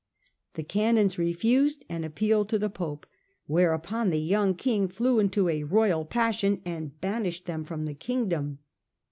The Canons refused and appealed to the Pope, whereupon the young King flew into a royal passion and banished them from the Kingdom.